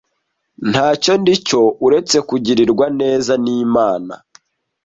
ntacyo ndicyo uretse kugirirwa neza n imana